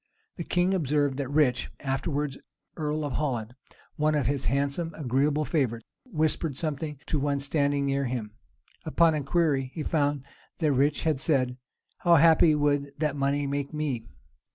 The king observed that Rich, afterwards earl of Holland, one of his handsome, agreeable favorites, whispered something to one standing near him. Upon inquiry, he found that Rich had said, "How happy would that money make me!"